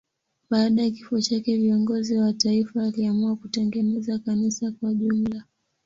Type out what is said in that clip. Baada ya kifo chake viongozi wa taifa waliamua kutengeneza kanisa kwa jumla.